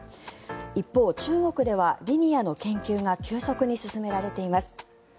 一方、中国ではリニアの研究が急速に進められています。